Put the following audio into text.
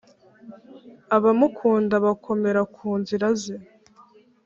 abamukunda bakomera ku nzira ze